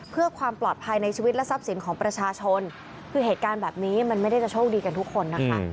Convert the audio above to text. เพื่อความปลอดภัยในชีวิตและทรัพย์สินของประชาชนคือเหตุการณ์แบบนี้มันไม่ได้จะโชคดีกันทุกคนนะคะ